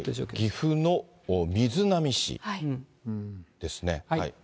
岐阜の瑞浪市ですね。